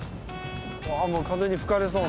うわもう風に吹かれそうな。